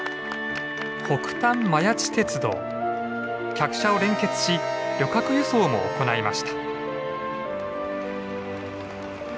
客車を連結し旅客輸送も行いました。